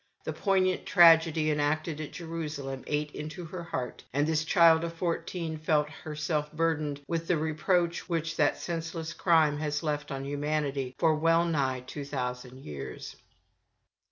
The poignant tragedy enacted at Jerusalem ate into her heart, and this child of fourteen felt herself burdened with the reproach which that senseless crime had left on humanity for well nigh two thousand years.